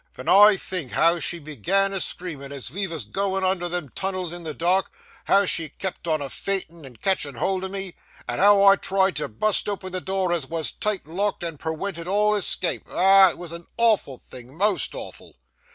Ven I think how she began a screaming as we wos a goin' under them tunnels in the dark,—how she kept on a faintin' and ketchin' hold o' me,—and how I tried to bust open the door as was tight locked and perwented all escape—Ah! It was a awful thing, most awful!